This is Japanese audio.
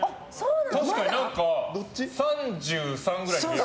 確かに３３ぐらいに見える。